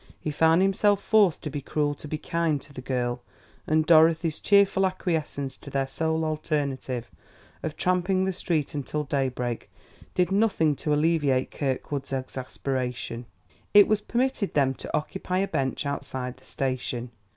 He found himself forced to be cruel to be kind to the girl, and Dorothy's cheerful acquiescence to their sole alternative of tramping the street until daybreak did nothing to alleviate Kirkwood's exasperation. It was permitted them to occupy a bench outside the station.